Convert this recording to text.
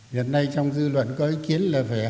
hiện nay trong dư luận có ý kiến là phải hai mươi mức thôi